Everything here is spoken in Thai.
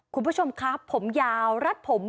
คุณผู้ชมครับผมยาวรัดผม